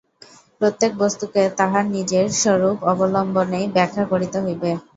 প্রত্যেক বস্তুকে তাহার নিজের স্বরূপ অবলম্বনেই ব্যাখ্যা করিতে হইবে।